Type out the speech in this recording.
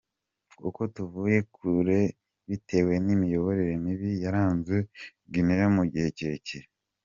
Kuko tuvuye kure bitewe n’imiyoborere mibi yaranze Guinée mu gihe kirekire.